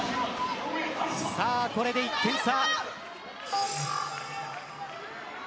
これで１点差。